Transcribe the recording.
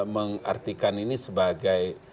mengartikan ini sebagai